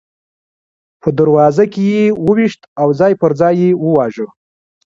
په دروازه کې یې وویشت او ځای پر ځای یې وواژه.